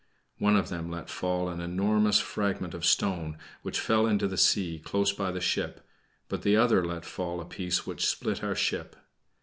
One of them let fall an enormous fragment of stone, which fell into the sea close beside the ship, but the other let fall a piece which split our ship.